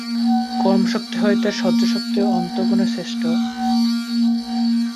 কর্মশক্তি হইতে সহ্যশক্তি অনন্তগুণে শ্রেষ্ঠ।